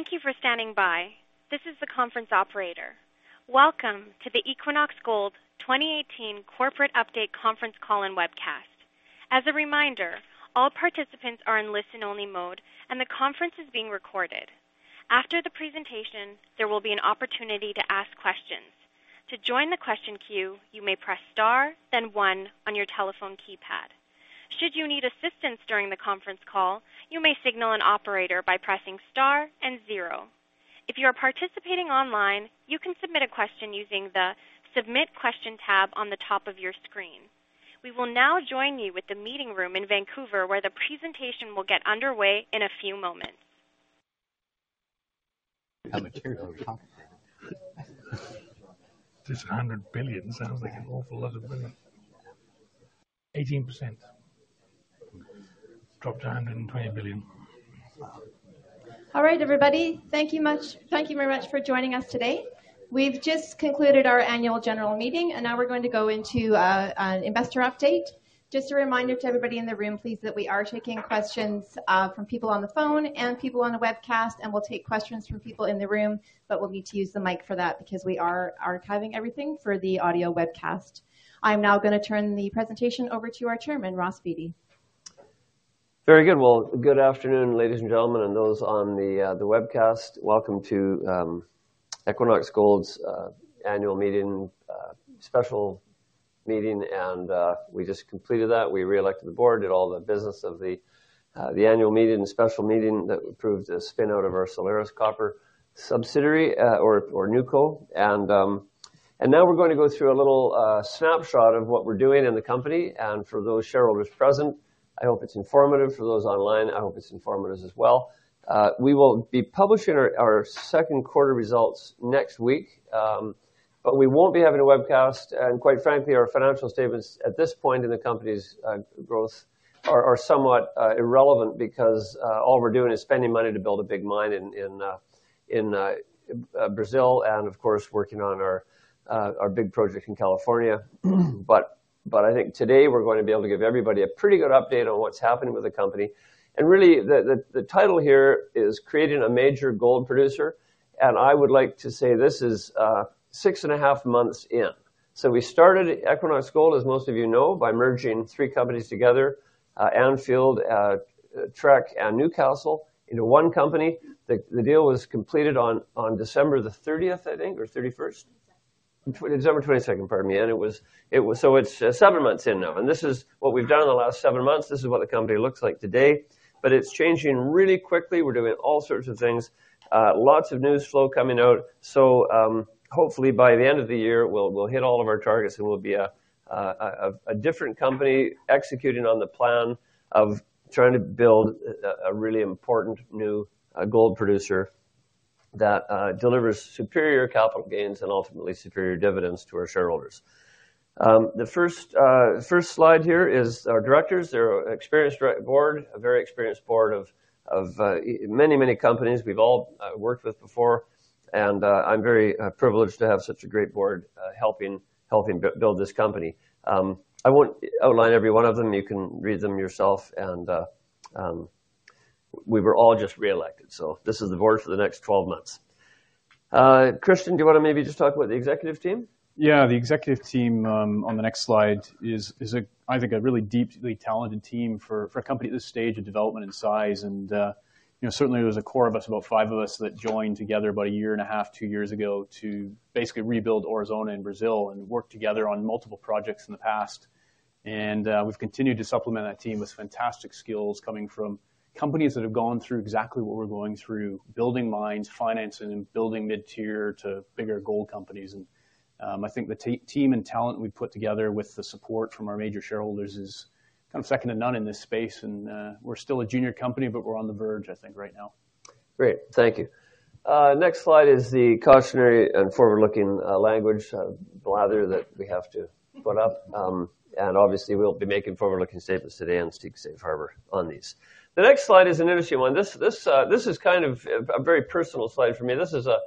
Thank you for standing by. This is the conference operator. Welcome to the Equinox Gold 2018 Corporate Update Conference Call and Webcast. As a reminder, all participants are in listen-only mode, and the conference is being recorded. After the presentation, there will be an opportunity to ask questions. To join the question queue, you may press star then one on your telephone keypad. Should you need assistance during the conference call, you may signal an operator by pressing star and zero. If you are participating online, you can submit a question using the Submit Question tab on the top of your screen. We will now join you with the meeting room in Vancouver, where the presentation will get underway in a few moments. The material we're talking about. This $100 billion sounds like an awful lot of money. 18%. Dropped $120 billion. All right, everybody. Thank you very much for joining us today. We've just concluded our annual general meeting, and now we're going to go into an investor update. Just a reminder to everybody in the room, please, that we are taking questions from people on the phone and people on the webcast, and we'll take questions from people in the room, but we'll need to use the mic for that because we are archiving everything for the audio webcast. I'm now going to turn the presentation over to our Chairman, Ross Beaty. Very good. Well, good afternoon, ladies and gentlemen, and those on the webcast. Welcome to Equinox Gold's annual meeting, special meeting, and we just completed that. We reelected the board, did all the business of the annual meeting, the special meeting that approved the spin-out of our Solaris Copper subsidiary, or Newco. Now we're going to go through a little snapshot of what we're doing in the company. For those shareholders present, I hope it's informative. For those online, I hope it's informative as well. We will be publishing our second quarter results next week, but we won't be having a webcast. Quite frankly, our financial statements at this point in the company's growth are somewhat irrelevant because all we're doing is spending money to build a big mine in Brazil and, of course, working on our big project in California. I think today we're going to be able to give everybody a pretty good update on what's happening with the company. Really, the title here is Creating a Major Gold Producer, and I would like to say this is six and a half months in. We started Equinox Gold, as most of you know, by merging three companies together, Anfield, Trek and NewCastle into one company. The deal was completed on December the 30th, I think, or 31st. 22nd. December 22nd, pardon me. It's seven months in now, this is what we've done in the last seven months. This is what the company looks like today, it's changing really quickly. We're doing all sorts of things. Lots of news flow coming out. Hopefully by the end of the year, we'll hit all of our targets, we'll be a different company executing on the plan of trying to build a really important new gold producer that delivers superior capital gains and ultimately superior dividends to our shareholders. The first slide here is our directors. They're an experienced board, a very experienced board of many, many companies we've all worked with before. I'm very privileged to have such a great board helping build this company. I won't outline every one of them. You can read them yourself. We were all just reelected, this is the board for the next 12 months. Christian, do you want to maybe just talk about the executive team? Yeah. The executive team, on the next slide, is, I think, a really deeply talented team for a company at this stage of development and size. Certainly, there was a core of us, about five of us, that joined together about a year and a half, two years ago to basically rebuild Aurizona in Brazil and work together on multiple projects in the past. We've continued to supplement that team with fantastic skills coming from companies that have gone through exactly what we're going through, building mines, financing and building mid-tier to bigger gold companies. I think the team and talent we've put together with the support from our major shareholders is second to none in this space. We're still a junior company, but we're on the verge, I think, right now. Great. Thank you. Next slide is the cautionary and forward-looking language blather that we have to put up. Obviously, we'll be making forward-looking statements today and seek safe harbor on these. The next slide is an interesting one. This is a very personal slide for me. This is a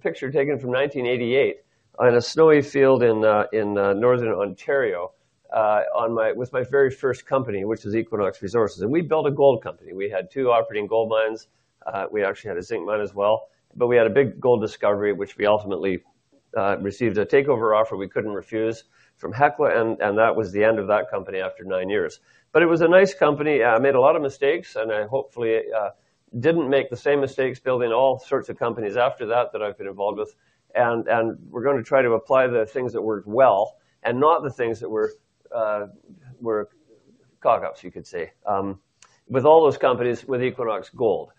picture taken from 1988 on a snowy field in Northern Ontario with my very first company, which is Equinox Resources. We built a gold company. We had two operating gold mines. We actually had a zinc mine as well, but we had a big gold discovery, which we ultimately received a takeover offer we couldn't refuse from Hecla, and that was the end of that company after nine years. It was a nice company. I made a lot of mistakes. I hopefully didn't make the same mistakes building all sorts of companies after that that I've been involved with. We're going to try to apply the things that worked well and not the things that were cock-ups, you could say, with all those companies with Equinox Gold.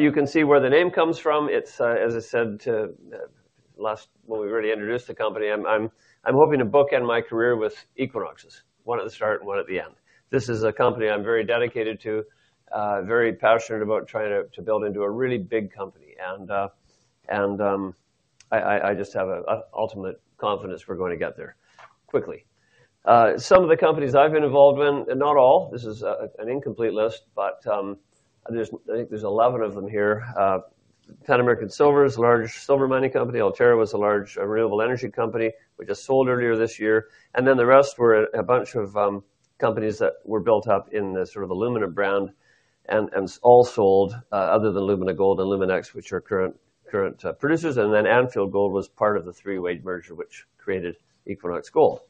You can see where the name comes from. As I said when we already introduced the company, I'm hoping to bookend my career with Equinoxes, one at the start and one at the end. This is a company I'm very dedicated to, very passionate about trying to build into a really big company. I just have ultimate confidence we're going to get there quickly. Some of the companies I've been involved in, not all, this is an incomplete list, but I think there's 11 of them here. Pan American Silver is a large silver mining company. Alterra was a large renewable energy company, which I sold earlier this year. Then the rest were a bunch of companies that were built up in the Luminex brand and all sold, other than Lumina Gold and Luminex, which are current producers. Then Anfield Gold was part of the three-way merger, which created Equinox Gold.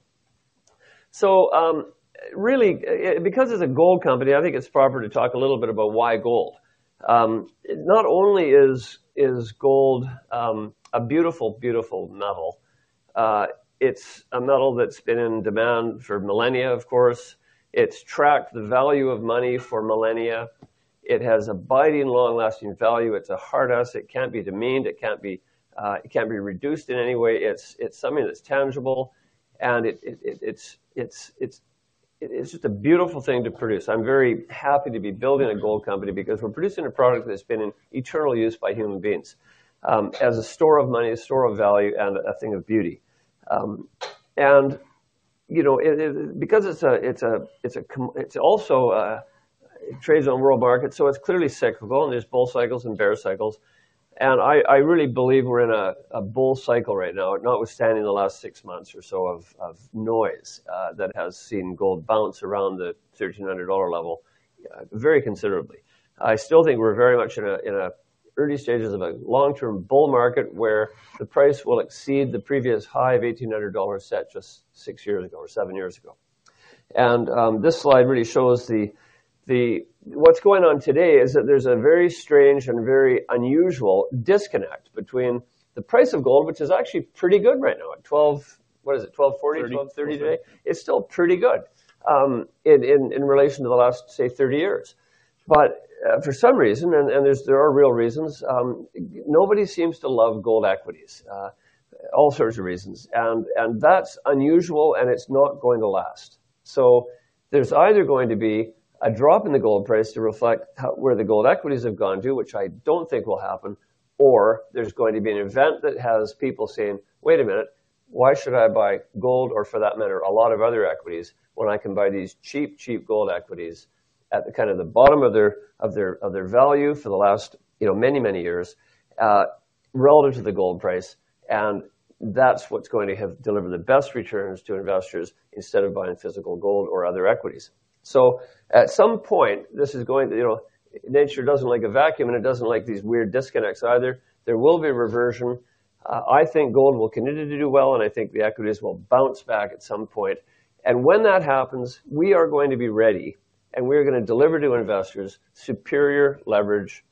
Really, because it's a gold company, I think it's proper to talk a little bit about why gold. Not only is gold a beautiful metal, it's a metal that's been in demand for millennia, of course. It's tracked the value of money for millennia. It has abiding, long-lasting value. It's a hard asset. It can't be demeaned. It can't be reduced in any way. It's something that's tangible. It's just a beautiful thing to produce. I'm very happy to be building a gold company because we're producing a product that's been in eternal use by human beings as a store of money, a store of value, and a thing of beauty. Because it trades on world markets, so it's clearly cyclable, and there's bull cycles and bear cycles, and I really believe we're in a bull cycle right now, notwithstanding the last six months or so of noise that has seen gold bounce around the $1,300 level very considerably. I still think we're very much in the early stages of a long-term bull market where the price will exceed the previous high of $1,800 set just six years ago or seven years ago. This slide really shows what's going on today is that there's a very strange and very unusual disconnect between the price of gold, which is actually pretty good right now at 12, what is it, $1,240, $1,230 today? It's still pretty good in relation to the last, say, 30 years. For some reason, and there are real reasons, nobody seems to love gold equities. All sorts of reasons. That's unusual, and it's not going to last. There's either going to be a drop in the gold price to reflect where the gold equities have gone to, which I don't think will happen, or there's going to be an event that has people saying, "Wait a minute, why should I buy gold, or for that matter, a lot of other equities, when I can buy these cheap gold equities at the bottom of their value for the last many years relative to the gold price?" That's what's going to have delivered the best returns to investors instead of buying physical gold or other equities. At some point, nature doesn't like a vacuum and it doesn't like these weird disconnects either. There will be a reversion. I think gold will continue to do well, and I think the equities will bounce back at some point. When that happens, we are going to be ready, and we're going to deliver to investors superior leverage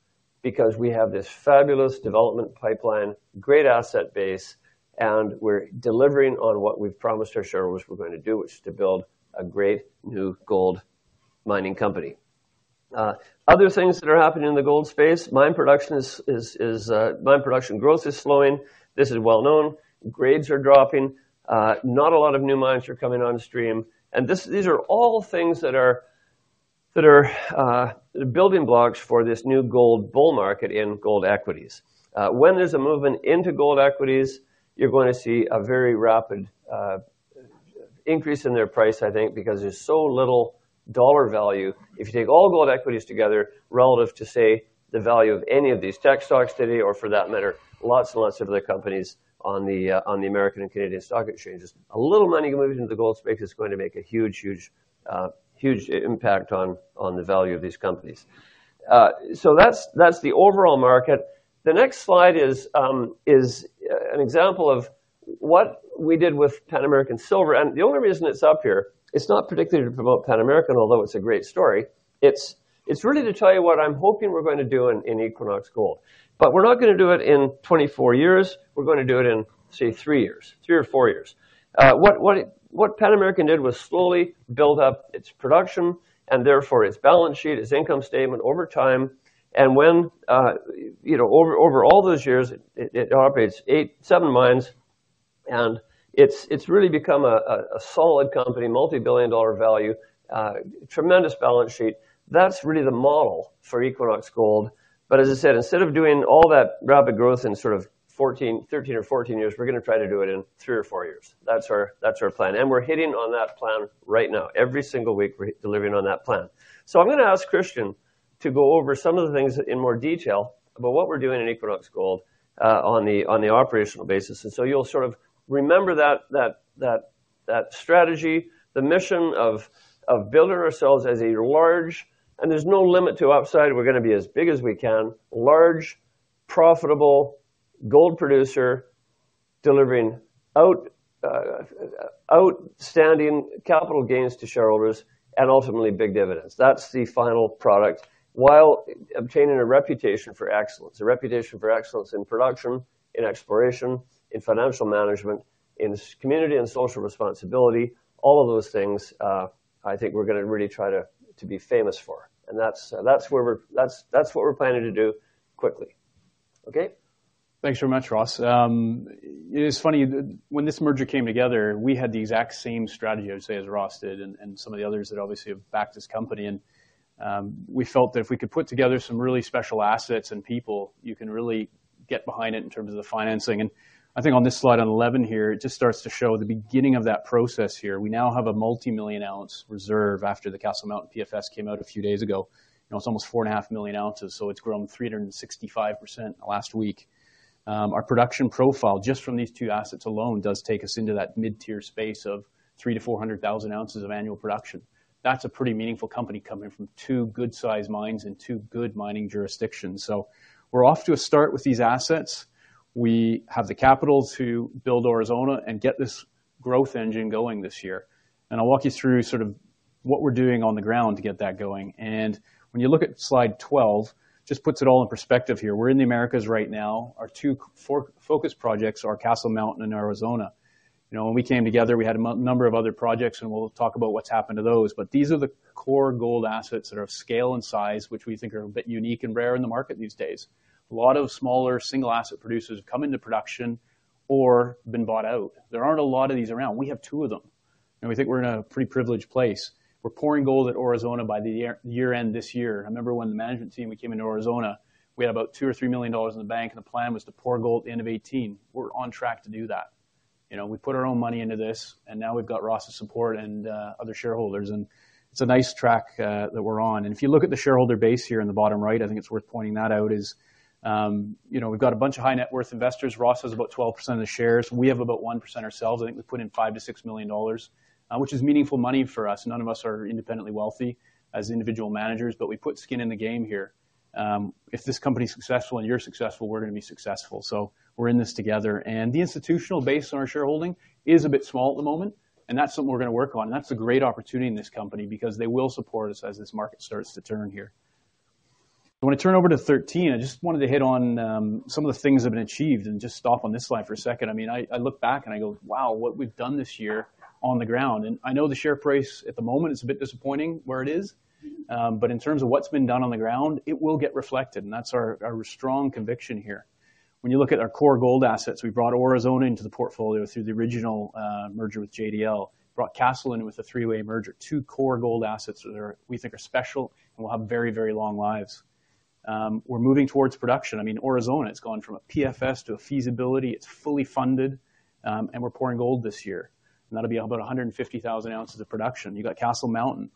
because we have this fabulous development pipeline, great asset base, and we're delivering on what we've promised our shareholders we're going to do, which is to build a great new gold mining company. Other things that are happening in the gold space, mine production growth is slowing. This is well known. Grades are dropping. Not a lot of new mines are coming on stream. These are all things that are the building blocks for this new gold bull market in gold equities. When there's a movement into gold equities, you're going to see a very rapid increase in their price, I think, because there's so little dollar value. If you take all gold equities together relative to, say, the value of any of these tech stocks today, or for that matter, lots and lots of other companies on the American and Canadian stock exchanges. A little money moving into the gold space is going to make a huge impact on the value of these companies. That's the overall market. The next slide is an example of what we did with Pan American Silver. The only reason it's up here, it's not particularly to promote Pan American, although it's a great story. It's really to tell you what I'm hoping we're going to do in Equinox Gold. We're not going to do it in 24 years. We're going to do it in, say, three years, three or four years. What Pan American did was slowly build up its production and therefore its balance sheet, its income statement over time. Over all those years, it operates seven mines, and it's really become a solid company, multi-billion dollar value, tremendous balance sheet. That's really the model for Equinox Gold. As I said, instead of doing all that rapid growth in 13 or 14 years, we're going to try to do it in three or four years. That's our plan. We're hitting on that plan right now. Every single week, we're delivering on that plan. I'm going to ask Christian to go over some of the things in more detail about what we're doing in Equinox Gold on the operational basis. You'll sort of remember that strategy, the mission of building ourselves as a large. There's no limit to upside. We're going to be as big as we can. Large, profitable gold producer delivering outstanding capital gains to shareholders and ultimately big dividends. That's the final product. While obtaining a reputation for excellence, a reputation for excellence in production, in exploration, in financial management, in community and social responsibility, all of those things I think we're going to really try to be famous for. That's what we're planning to do quickly. Okay. Thanks very much, Ross. It is funny, when this merger came together, we had the exact same strategy, I'd say, as Ross did and some of the others that obviously have backed this company. We felt that if we could put together some really special assets and people, you can really get behind it in terms of the financing. I think on this slide, on 11 here, it just starts to show the beginning of that process here. We now have a multimillion ounce reserve after the Castle Mountain PFS came out a few days ago. It's almost four and a half million ounces, so it's grown 365% in the last week. Our production profile, just from these two assets alone, does take us into that mid-tier space of three to 400,000 ounces of annual production. That's a pretty meaningful company coming from two good-size mines and two good mining jurisdictions. We're off to a start with these assets. We have the capital to build Aurizona and get this growth engine going this year. I'll walk you through sort of what we're doing on the ground to get that going. When you look at slide 12, just puts it all in perspective here. We're in the Americas right now. Our two core focus projects are Castle Mountain and Aurizona. When we came together, we had a number of other projects, and we'll talk about what's happened to those, but these are the core gold assets that are of scale and size, which we think are a bit unique and rare in the market these days. A lot of smaller single asset producers have come into production or been bought out. There aren't a lot of these around. We have two of them, and we think we're in a pretty privileged place. We're pouring gold at Aurizona by the year-end this year. I remember when the management team, we came into Aurizona, we had about $2 million or $3 million in the bank, and the plan was to pour gold at the end of 2018. We're on track to do that. We put our own money into this, and now we've got Ross's support and other shareholders, and it's a nice track that we're on. If you look at the shareholder base here in the bottom right, I think it's worth pointing that out, is we've got a bunch of high-net-worth investors. Ross has about 12% of the shares. We have about 1% ourselves. I think we've put in $5 million to $6 million, which is meaningful money for us. None of us are independently wealthy as individual managers. We put skin in the game here. If this company's successful and you're successful, we're going to be successful. We're in this together. The institutional base on our shareholding is a bit small at the moment, and that's something we're going to work on. That's a great opportunity in this company because they will support us as this market starts to turn here. I want to turn over to 13. I just wanted to hit on some of the things that have been achieved and just stop on this slide for a second. I look back and I go, "Wow, what we've done this year on the ground." I know the share price at the moment is a bit disappointing where it is, but in terms of what's been done on the ground, it will get reflected, and that's our strong conviction here. When you look at our core gold assets, we brought Aurizona into the portfolio through the original merger with JDL, brought Castle in with a three-way merger. Two core gold assets that we think are special and will have very long lives. We're moving towards production. Aurizona has gone from a PFS to a feasibility. It's fully funded, and we're pouring gold this year, and that'll be about 150,000 ounces of production. You got Castle Mountain.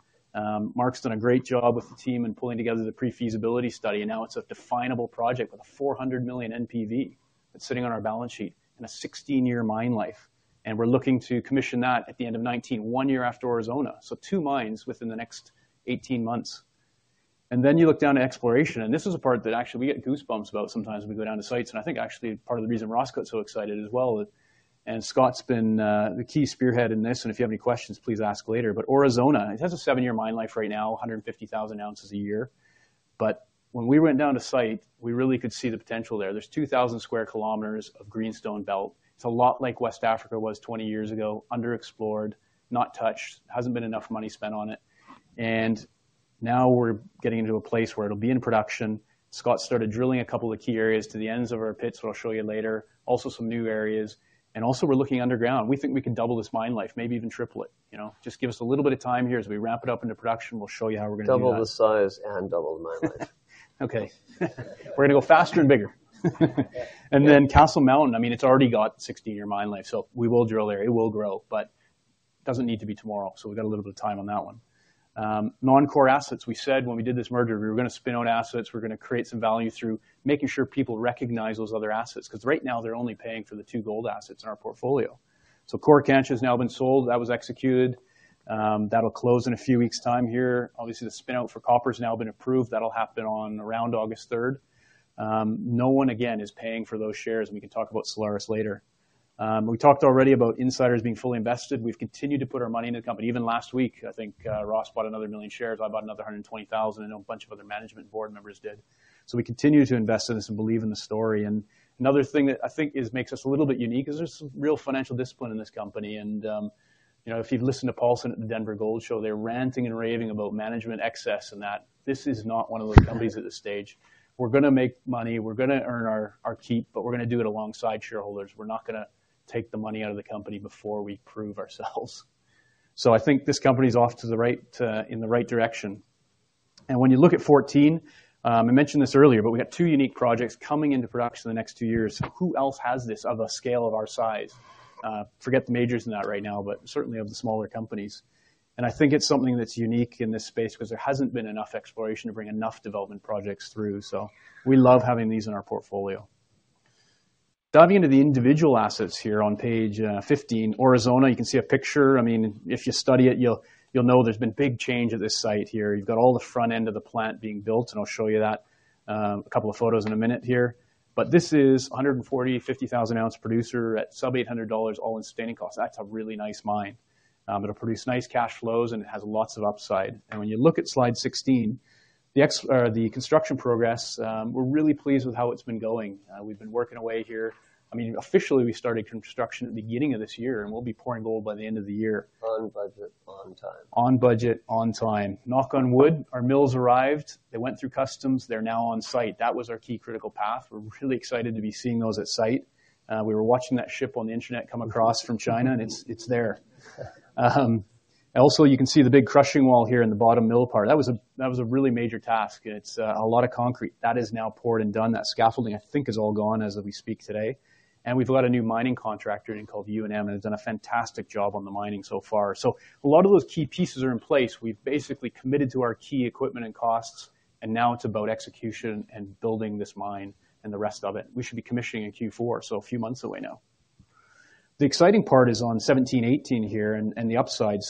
Marc's done a great job with the team in pulling together the pre-feasibility study. Now it's a definable project with a $400 million NPV that's sitting on our balance sheet and a 16-year mine life. We're looking to commission that at the end of 2019, one year after Aurizona. Two mines within the next 18 months. You look down at exploration, and this is the part that actually we get goosebumps about sometimes when we go down to sites, and I think actually part of the reason Ross got so excited as well. Scott's been the key spearhead in this, and if you have any questions, please ask later. Aurizona, it has a seven-year mine life right now, 150,000 ounces a year. When we went down to site, we really could see the potential there. There's 2,000 sq km of greenstone belt. It's a lot like West Africa was 20 years ago, underexplored, not touched, hasn't been enough money spent on it. Now we're getting into a place where it'll be in production. Scott started drilling a couple of key areas to the ends of our pits, which I'll show you later, also some new areas. Also we're looking underground. We think we can double this mine life, maybe even triple it. Just give us a little bit of time here as we ramp it up into production. We'll show you how we're going to do that. Double the size and double the mine life. Okay. We're going to go faster and bigger. Castle Mountain, it's already got 16-year mine life. We will drill there. It will grow, but it doesn't need to be tomorrow. We've got a little bit of time on that one. Non-core assets, we said when we did this merger, we were going to spin out assets. We're going to create some value through making sure people recognize those other assets, because right now they're only paying for the two gold assets in our portfolio. Coricancha has now been sold. That was executed. That'll close in a few weeks' time here. Obviously, the spin-out for copper has now been approved. That'll happen on around August 3rd. No one, again, is paying for those shares, and we can talk about Solaris later. We talked already about insiders being fully invested. We've continued to put our money into the company. Even last week, I think Ross bought another 1 million shares. I bought another 120,000. I know a bunch of other management board members did. We continue to invest in this and believe in the story. Another thing that I think makes us a little bit unique is there's some real financial discipline in this company. If you'd listened to Paulson at the Denver Gold Show, they're ranting and raving about management excess and that this is not one of those companies at this stage. We're going to make money. We're going to earn our keep, but we're going to do it alongside shareholders. We're not going to take the money out of the company before we prove ourselves. I think this company's off in the right direction. When you look at 14, I mentioned this earlier, we got two unique projects coming into production in the next two years. Who else has this of a scale of our size? Forget the majors in that right now, certainly of the smaller companies. I think it's something that's unique in this space because there hasn't been enough exploration to bring enough development projects through. We love having these in our portfolio. Diving into the individual assets here on page 15, Aurizona, you can see a picture. If you study it, you'll know there's been big change at this site here. You've got all the front end of the plant being built, I'll show you that, a couple of photos in a minute here. This is 140,000-150,000 ounce producer at sub-$800 all-in sustaining costs. That's a really nice mine. It'll produce nice cash flows, it has lots of upside. When you look at slide 16, the construction progress, we're really pleased with how it's been going. We've been working away here. Officially, we started construction at the beginning of this year, we'll be pouring gold by the end of the year. On budget, on time. On budget, on time. Knock on wood, our mills arrived. They went through customs. They're now on site. That was our key critical path. We're really excited to be seeing those at site. We were watching that ship on the internet come across from China, and it's there. Also, you can see the big crushing wall here in the bottom mill part. That was a really major task, and it's a lot of concrete. That is now poured and done. That scaffolding, I think, is all gone as we speak today. We've let a new mining contractor in called U&M, and it's done a fantastic job on the mining so far. A lot of those key pieces are in place. We've basically committed to our key equipment and costs, now it's about execution and building this mine and the rest of it. We should be commissioning in Q4, a few months away now. The exciting part is on 17, 18 here and the upside.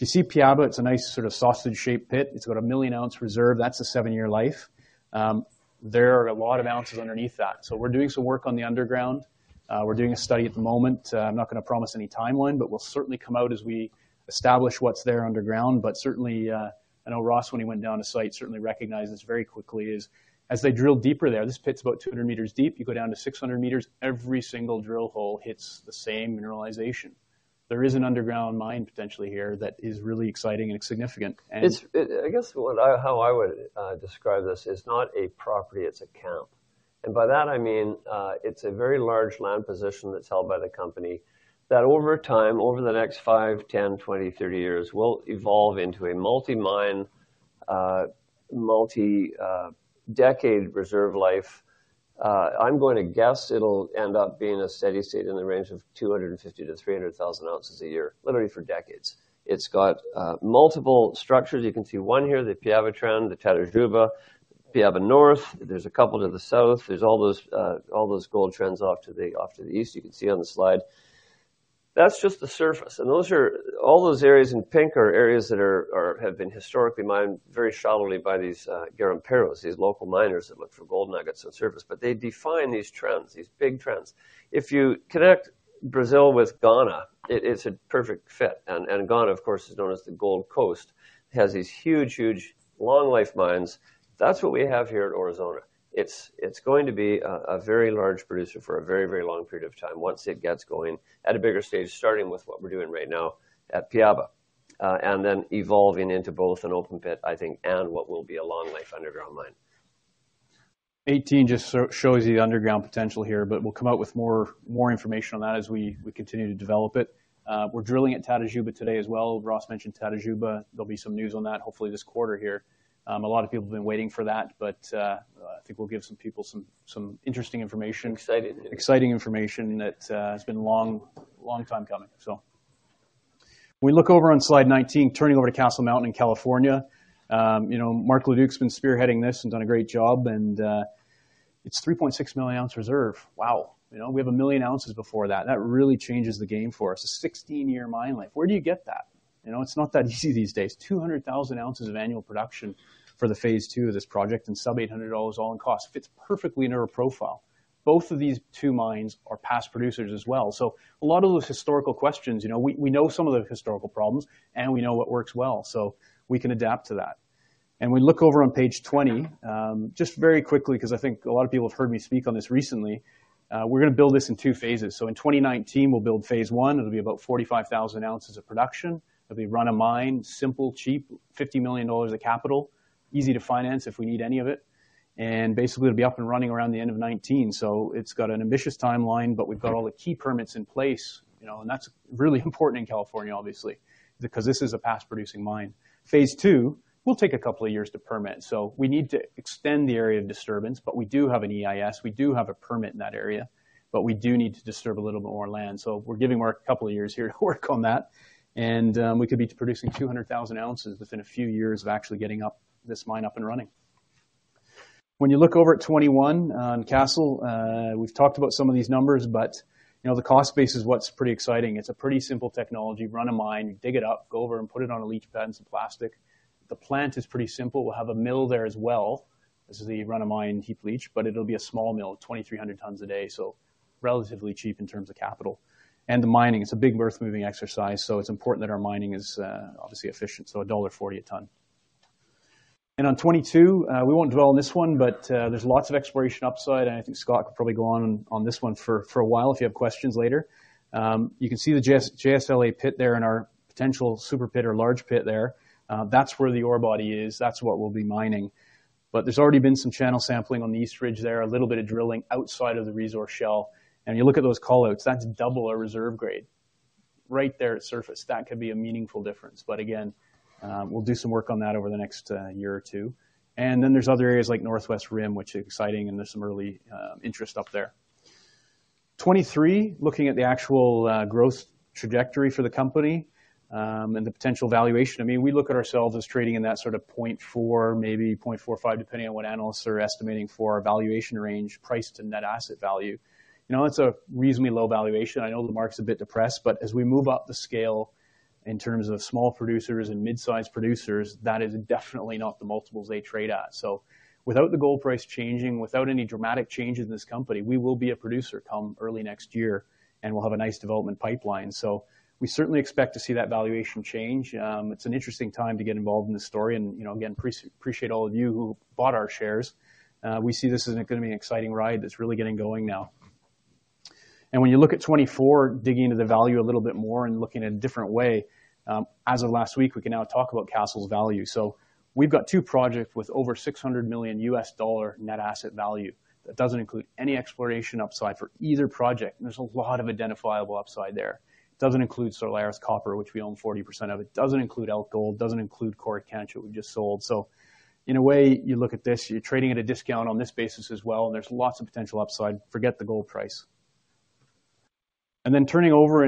If you see Piaba, it's a nice sort of sausage-shaped pit. It's got a 1 million-ounce reserve. That's a 7-year life. There are a lot of ounces underneath that. We're doing some work on the underground. We're doing a study at the moment. I'm not going to promise any timeline, but we'll certainly come out as we establish what's there underground. Certainly, I know Ross, when he went down to site, certainly recognized this very quickly is, as they drill deeper there, this pit's about 200 meters deep. You go down to 600 meters, every single drill hole hits the same mineralization. There is an underground mine potentially here that is really exciting and significant. I guess how I would describe this, it's not a property, it's a camp. By that I mean, it's a very large land position that's held by the company that over time, over the next five, 10, 20, 30 years, will evolve into a multi-mine, multi-decade reserve life. I'm going to guess it'll end up being a steady state in the range of 250,000 to 300,000 ounces a year, literally for decades. It's got multiple structures. You can see one here, the Piaba Trend, the Tatajuba, Piaba North. There's a couple to the south. There's all those gold trends off to the east, you can see on the slide. That's just the surface. All those areas in pink are areas that have been historically mined very shallowly by these garimpeiros, these local miners that look for gold nuggets on the surface. They define these trends, these big trends. If you connect Brazil with Ghana, it is a perfect fit. Ghana, of course, is known as the Gold Coast, has these huge, huge long-life mines. That's what we have here at Aurizona. It's going to be a very large producer for a very, very long period of time once it gets going at a bigger stage, starting with what we're doing right now at Piaba, then evolving into both an open pit, I think, and what will be a long-life underground mine. 18 just shows the underground potential here. We'll come out with more information on that as we continue to develop it. We're drilling at Tatajuba today as well. Ross mentioned Tatajuba. There'll be some news on that, hopefully this quarter here. A lot of people have been waiting for that. I think we'll give some people some interesting information. Exciting. Exciting information that has been a long time coming. When we look over on slide 19, turning over to Castle Mountain in California. Marc Leduc's been spearheading this and done a great job. It's a 3.6 million ounce reserve. Wow. We have 1 million ounces before that. That really changes the game for us. A 16-year mine life. Where do you get that? It's not that easy these days. 200,000 ounces of annual production for the phase two of this project and sub-$800 all-in costs fits perfectly in our profile. Both of these two mines are past producers as well. A lot of those historical questions, we know some of the historical problems, and we know what works well, so we can adapt to that. We look over on page 20, just very quickly because I think a lot of people have heard me speak on this recently. We're going to build this in two phases. In 2019, we'll build phase one. It'll be about 45,000 ounces of production. It'll be run-of-mine, simple, cheap, $50 million of capital, easy to finance if we need any of it, and basically, it'll be up and running around the end of 2019. It's got an ambitious timeline, but we've got all the key permits in place, and that's really important in California, obviously, because this is a past-producing mine. Phase two will take a couple of years to permit. We need to extend the area of disturbance, but we do have an EIS, we do have a permit in that area, but we do need to disturb a little bit more land. We're giving Marc a couple of years here to work on that, and we could be producing 200,000 ounces within a few years of actually getting this mine up and running. When you look over at 21 on Castle, we've talked about some of these numbers, but the cost base is what's pretty exciting. It's a pretty simple technology, run-of-mine, dig it up, go over and put it on a leach pad and some plastic. The plant is pretty simple. We'll have a mill there as well. This is a run-of-mine heap leach, but it'll be a small mill, 2,300 tons a day, so relatively cheap in terms of capital. The mining, it's a big earth-moving exercise, so it's important that our mining is obviously efficient, so $1.40 a ton. On 22, we won't dwell on this one, there's lots of exploration upside, I think Scott could probably go on this one for a while if you have questions later. You can see the JSLA Pit there and our potential super pit or large pit there. That's where the ore body is. That's what we'll be mining. There's already been some channel sampling on the east ridge there, a little bit of drilling outside of the resource shell. You look at those call-outs, that's double our reserve grade. Right there at surface, that could be a meaningful difference. Again, we'll do some work on that over the next year or two. Then there's other areas like Northwest Rim, which is exciting, there's some early interest up there. 23, looking at the actual growth trajectory for the company, the potential valuation. We look at ourselves as trading in that sort of 0.4, maybe 0.45, depending on what analysts are estimating for our valuation range, price to net asset value. It's a reasonably low valuation. I know the market's a bit depressed, as we move up the scale in terms of small producers and mid-size producers, that is definitely not the multiples they trade at. Without the gold price changing, without any dramatic change in this company, we will be a producer come early next year, we'll have a nice development pipeline. We certainly expect to see that valuation change. It's an interesting time to get involved in this story, again, appreciate all of you who bought our shares. We see this is going to be an exciting ride that's really getting going now. When you look at 2024, digging into the value a little bit more and looking in a different way, as of last week, we can now talk about Castle's value. We've got two projects with over $600 million net asset value. That doesn't include any exploration upside for either project, there's a lot of identifiable upside there. It doesn't include Solaris Copper, which we own 40% of. It doesn't include Anfield Gold. It doesn't include Coricancha, we just sold. In a way, you look at this, you're trading at a discount on this basis as well, there's lots of potential upside. Forget the gold price. Then turning over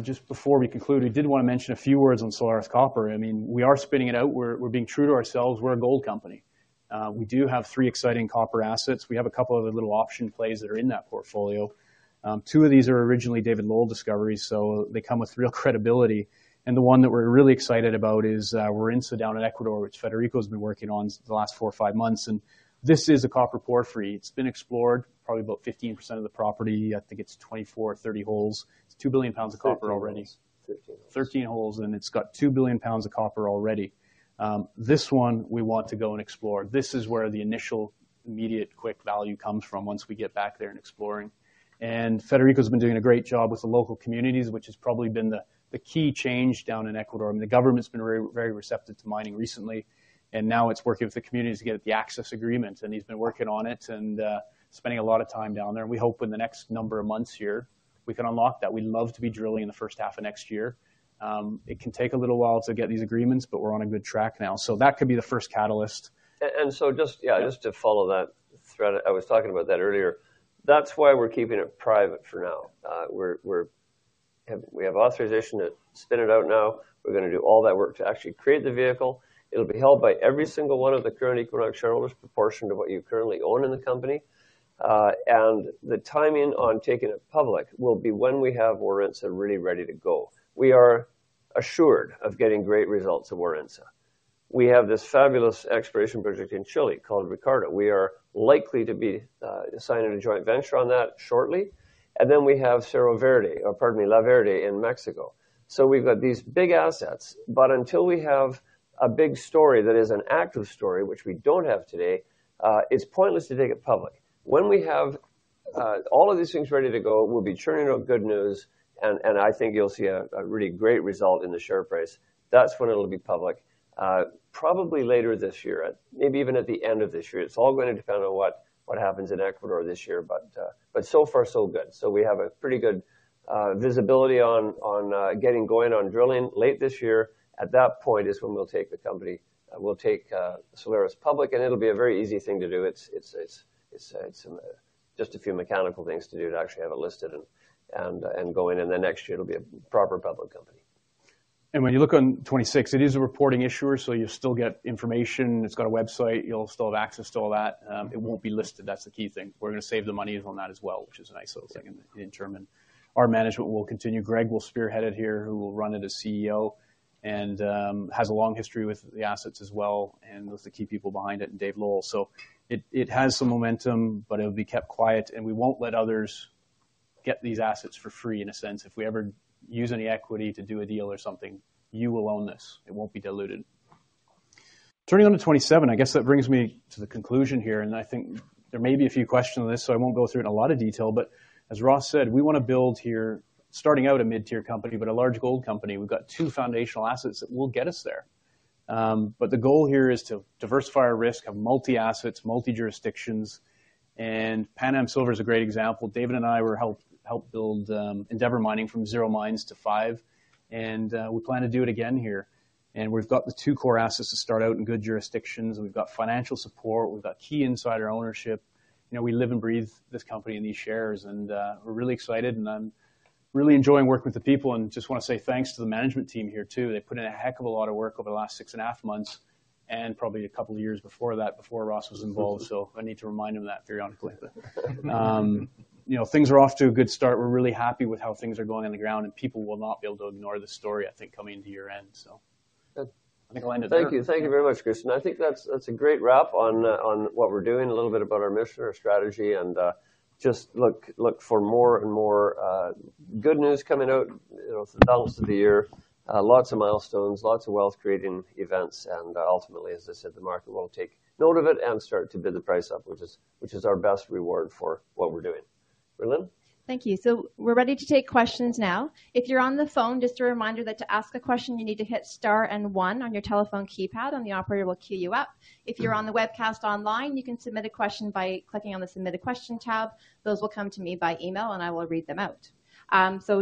just before we conclude, I did want to mention a few words on Solaris Copper. We are spinning it out. We're being true to ourselves. We're a gold company. We do have three exciting copper assets. We have a couple other little option plays that are in that portfolio. Two of these are originally David Lowell discoveries, so they come with real credibility. The one that we're really excited about is, we're in Sidon in Ecuador, which Federico's been working on the last four or five months, this is a copper porphyry. It's been explored, probably about 15% of the property. I think it's 24 or 30 holes. It's 2 billion pounds of copper already. 13 holes. 13 holes, it's got 2 billion pounds of copper already. This one we want to go and explore. This is where the initial, immediate, quick value comes from once we get back there and exploring. Federico's been doing a great job with the local communities, which has probably been the key change down in Ecuador. The government's been very receptive to mining recently, and now it's working with the communities to get the access agreement, he's been working on it and spending a lot of time down there. We hope in the next number of months here, we can unlock that. We'd love to be drilling in the first half of next year. It can take a little while to get these agreements, we're on a good track now. That could be the first catalyst. Just to follow that thread, I was talking about that earlier. That's why we're keeping it private for now. We have authorization to spin it out now. We're going to do all that work to actually create the vehicle. It'll be held by every single one of the current Equinox shareholders, proportioned to what you currently own in the company. The timing on taking it public will be when we have Aurizona really ready to go. We are assured of getting great results at Aurizona. We have this fabulous exploration project in Chile called Ricardo. We are likely to be signing a joint venture on that shortly. Then we have Cerro Verde, or pardon me, La Verde in Mexico. We've got these big assets, until we have a big story that is an active story, which we don't have today, it's pointless to take it public. When we have all of these things ready to go, we'll be churning out good news, I think you'll see a really great result in the share price. That's when it'll be public. Probably later this year, maybe even at the end of this year. It's all going to depend on what happens in Ecuador this year, so far so good. We have a pretty good visibility on getting going on drilling late this year. At that point is when we'll take the company, we'll take Solaris public, it'll be a very easy thing to do. It's just a few mechanical things to do to actually have it listed and going in the next year, it'll be a proper public company. When you look on 26, it is a reporting issuer, you still get information. It's got a website. You'll still have access to all that. It won't be listed, that's the key thing. We're going to save the money on that as well, which is a nice little thing in German. Our management will continue. Greg will spearhead it here, who will run it as CEO, and has a long history with the assets as well, and with the key people behind it and David Lowell. It has some momentum, but it'll be kept quiet, and we won't let others get these assets for free, in a sense. If we ever use any equity to do a deal or something, you will own this. It won't be diluted. Turning on to 27, I guess that brings me to the conclusion here. I think there may be a few questions on this, I won't go through it in a lot of detail. As Ross said, we want to build here, starting out a mid-tier company, but a large gold company. We've got two foundational assets that will get us there. The goal here is to diversify our risk, have multi-assets, multi-jurisdictions, and Pan Am Silver is a great example. David and I helped build Endeavour Mining from zero mines to five, we plan to do it again here. We've got the two core assets to start out in good jurisdictions. We've got financial support. We've got key insider ownership. We live and breathe this company and these shares, we're really excited, I'm really enjoying working with the people and just want to say thanks to the management team here, too. They've put in a heck of a lot of work over the last six and a half months, probably a couple of years before that, before Ross was involved. I need to remind him of that periodically. Things are off to a good start. We're really happy with how things are going on the ground, people will not be able to ignore the story, I think, coming into year-end. I think I'll hand it over. Thank you. Thank you very much, Christian. I think that's a great wrap on what we're doing, a little bit about our mission, our strategy, and just look for more and more good news coming out for the balance of the year. Lots of milestones, lots of wealth-creating events, and ultimately, as I said, the market will take note of it and start to bid the price up, which is our best reward for what we're doing. Rhylin? Thank you. We're ready to take questions now. If you're on the phone, just a reminder that to ask a question, you need to hit star and one on your telephone keypad, and the operator will queue you up. If you're on the webcast online, you can submit a question by clicking on the Submit a Question tab. Those will come to me by email, and I will read them out.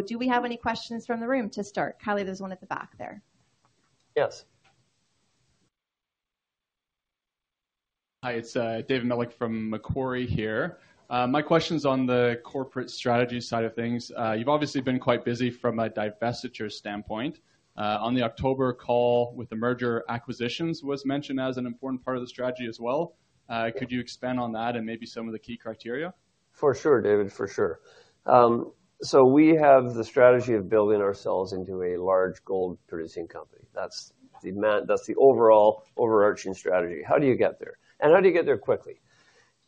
Do we have any questions from the room to start? Kylie, there's one at the back there. Yes. Hi, it's David Melick from Macquarie here. My question's on the corporate strategy side of things. You've obviously been quite busy from a divestiture standpoint. On the October call with the merger, acquisitions was mentioned as an important part of the strategy as well. Could you expand on that and maybe some of the key criteria? For sure, David, for sure. We have the strategy of building ourselves into a large gold-producing company. That's the overall overarching strategy. How do you get there? How do you get there quickly?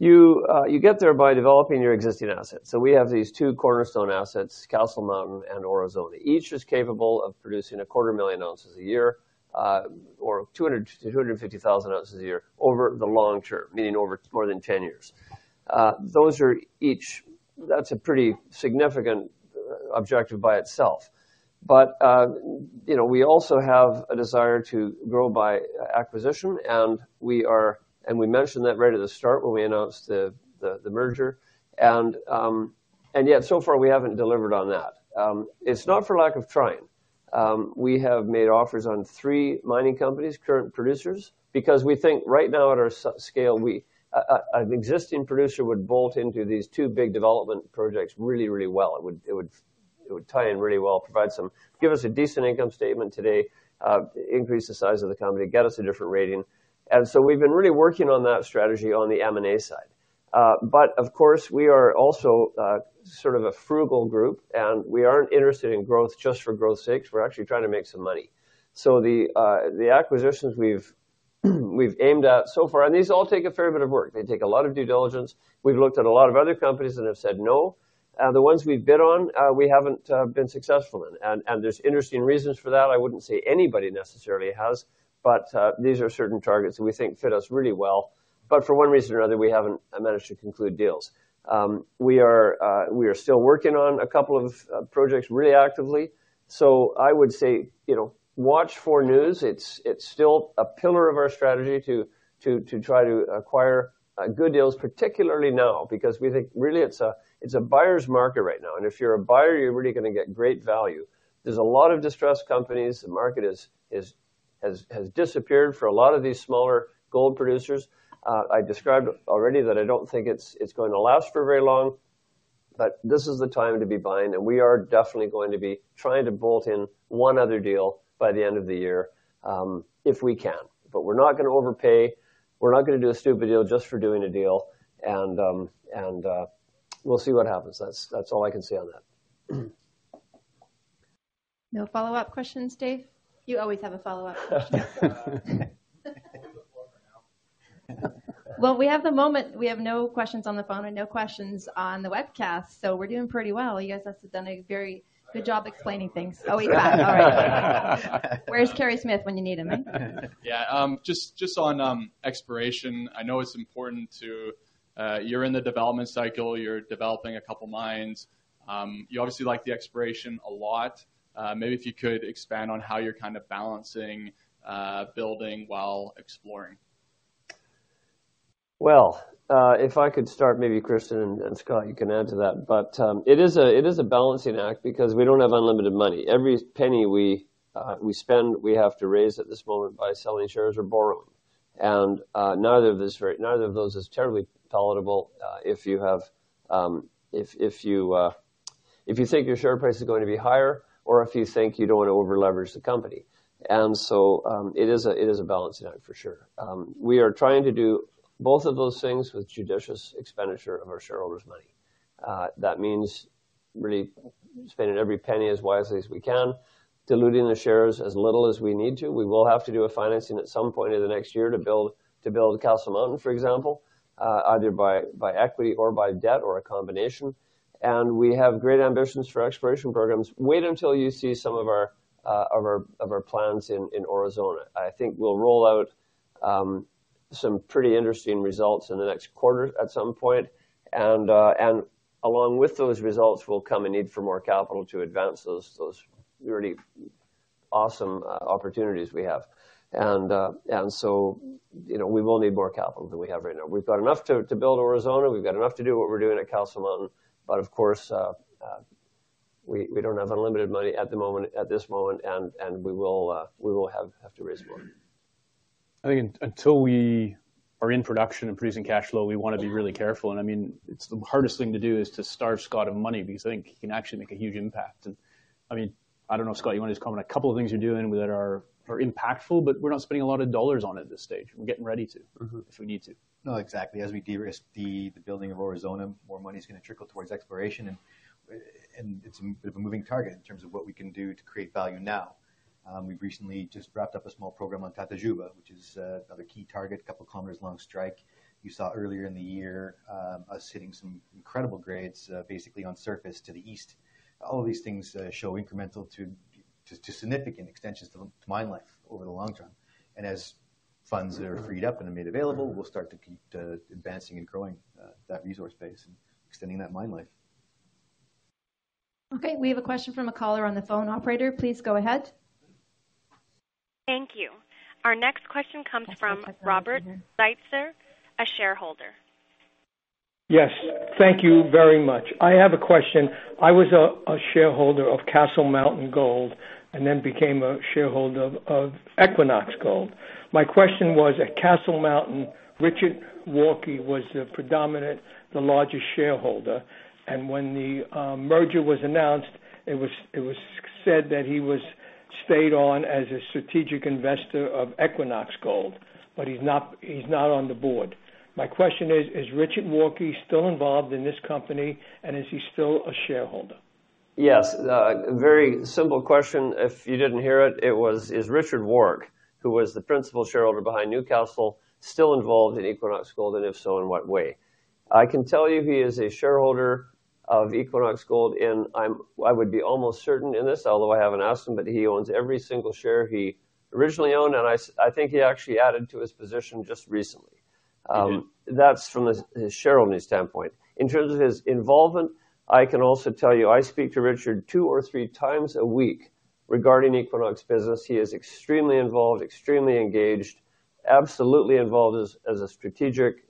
You get there by developing your existing assets. We have these two cornerstone assets, Castle Mountain and Aurizona. Each is capable of producing a quarter million ounces a year, or 200,000 to 250,000 ounces a year over the long term, meaning over more than 10 years. That's a pretty significant objective by itself. We also have a desire to grow by acquisition, and we mentioned that right at the start when we announced the merger. Yet so far we haven't delivered on that. It's not for lack of trying. We have made offers on three mining companies, current producers, because we think right now at our scale, an existing producer would bolt into these two big development projects really, really well. It would tie in really well, give us a decent income statement today, increase the size of the company, get us a different rating. We've been really working on that strategy on the M&A side. Of course, we are also sort of a frugal group, and we aren't interested in growth just for growth's sake. We're actually trying to make some money. The acquisitions we've aimed at so far, and these all take a fair bit of work. They take a lot of due diligence. We've looked at a lot of other companies that have said no. The ones we've bid on, we haven't been successful in. There's interesting reasons for that. I wouldn't say anybody necessarily has, these are certain targets that we think fit us really well. For one reason or another, we haven't managed to conclude deals. We are still working on a couple of projects really actively. I would say, watch for news. It's still a pillar of our strategy to try to acquire good deals, particularly now, because we think really it's a buyer's market right now, and if you're a buyer, you're really going to get great value. There's a lot of distressed companies. The market has disappeared for a lot of these smaller gold producers. I described already that I don't think it's going to last for very long, this is the time to be buying, and we are definitely going to be trying to bolt in one other deal by the end of the year, if we can. We're not going to overpay. We're not going to do a stupid deal just for doing a deal, and we'll see what happens. That's all I can say on that. No follow-up questions, Dave? You always have a follow-up question. Well, we have the moment. We have no questions on the phone and no questions on the webcast, we're doing pretty well. You guys must have done a very good job explaining things. Oh, you have. All right. Where's Kerry Smith when you need him, eh? Yeah. Just on exploration, I know it's important to You're in the development cycle. You're developing a couple of mines. You obviously like the exploration a lot. Maybe if you could expand on how you're kind of balancing building while exploring. Well, if I could start, maybe Christian and Scott, you can add to that, it is a balancing act because we don't have unlimited money. Every penny we spend, we have to raise at this moment by selling shares or borrow them. Neither of those is terribly palatable if you think your share price is going to be higher or if you think you don't want to over-leverage the company. It is a balancing act, for sure. We are trying to do both of those things with judicious expenditure of our shareholders' money. That means really spending every penny as wisely as we can, diluting the shares as little as we need to. We will have to do a financing at some point in the next year to build Castle Mountain, for example, either by equity or by debt or a combination. We have great ambitions for exploration programs. Wait until you see some of our plans in Aurizona. I think we'll roll out some pretty interesting results in the next quarter at some point. Along with those results will come a need for more capital to advance those really awesome opportunities we have. We will need more capital than we have right now. We've got enough to build Aurizona. We've got enough to do what we're doing at Castle Mountain. Of course, we don't have unlimited money at this moment, and we will have to raise more. I think until we are in production, increasing cash flow, we want to be really careful. It's the hardest thing to do is to starve Scott of money because I think he can actually make a huge impact. I don't know, Scott, you want to just comment. A couple of things you're doing that are impactful, we're not spending a lot of dollars on it at this stage. We're getting ready to, if we need to. No, exactly. As we de-risk the building of Aurizona, more money's going to trickle towards exploration. It's a bit of a moving target in terms of what we can do to create value now. We've recently just wrapped up a small program on Tatajuba, which is another key target, a couple of kilometers long strike. You saw earlier in the year us hitting some incredible grades, basically on surface to the east. All of these things show incremental to significant extensions to mine life over the long term. As funds are freed up and are made available, we'll start to keep advancing and growing that resource base and extending that mine life. Okay. We have a question from a caller on the phone. Operator, please go ahead. Thank you. Our next question comes from Robert Zeitzer, a shareholder. Yes. Thank you very much. I have a question. I was a shareholder of Castle Mountain Gold and then became a shareholder of Equinox Gold. My question was, at Castle Mountain, Richard Warke was the predominant, the largest shareholder. When the merger was announced, it was said that he stayed on as a strategic investor of Equinox Gold, but he's not on the board. My question is Richard Warke still involved in this company, and is he still a shareholder? Yes. A very simple question. If you didn't hear it was, is Richard Warke, who was the principal shareholder behind NewCastle, still involved in Equinox Gold, and if so, in what way? I can tell you he is a shareholder of Equinox Gold, and I would be almost certain in this, although I haven't asked him, but he owns every single share he originally owned, and I think he actually added to his position just recently. That's from a shareholder standpoint. In terms of his involvement, I can also tell you, I speak to Richard two or three times a week regarding Equinox business. He is extremely involved, extremely engaged, absolutely involved as a strategic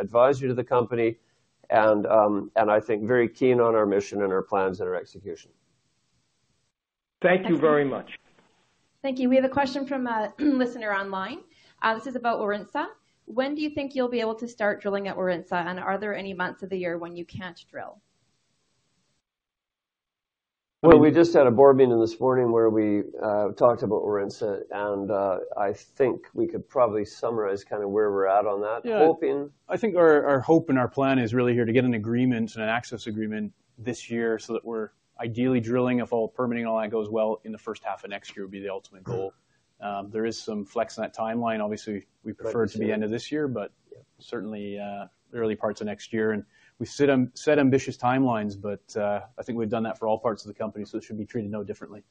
advisor to the company, and I think very keen on our mission and our plans and our execution. Thank you very much. Thank you. We have a question from a listener online. This is about Warintza. When do you think you'll be able to start drilling at Warintza, and are there any months of the year when you can't drill? Well, we just had a board meeting this morning where we talked about Warintza, and I think we could probably summarize where we're at on that. Hop in. I think our hope and our plan is really here to get an agreement, an access agreement this year so that we're ideally drilling, if all permitting and all that goes well, in the first half of next year would be the ultimate goal. There is some flex in that timeline. Obviously, we'd prefer it to be end of this year, but certainly, early parts of next year. We set ambitious timelines, but I think we've done that for all parts of the company, so it should be treated no differently.